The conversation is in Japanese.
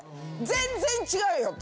全然違うよ！